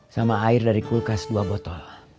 sama air dari kulkas dua botol